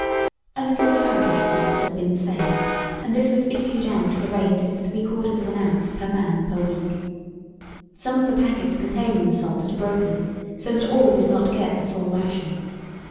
A little Cerebos salt had been saved, and this was issued out at the rate of three quarters of an ounce per man per week. Some of the packets containing the salt had broken, so that all did not get the full ration.